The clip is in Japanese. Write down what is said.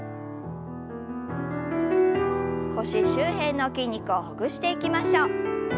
腰周辺の筋肉をほぐしていきましょう。